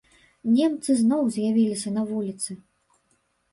Немцы зноў з'явіліся на вуліцы.